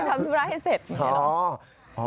ต้องรีบทำธุระให้เสร็จ